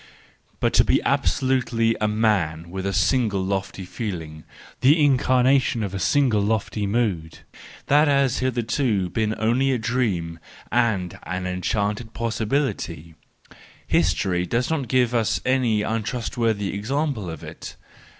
But to be absolutely a man with a single lofty feeling, the incarnation of a single lofty mood—that has hitherto been only a dream and an enchanting possibility: history does not yet give us any trustworthy example of it.